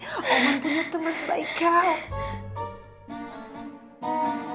roman punya teman sebaik kau